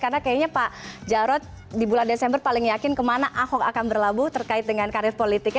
karena kayaknya pak jarod di bulan desember paling yakin kemana ahok akan berlabuh terkait dengan karir politiknya